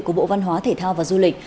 của bộ văn hóa thể thao và du lịch